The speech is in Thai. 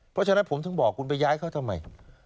เพราะฉะนั้นผมถึงบอกคุณไปย้ายเขาทำไม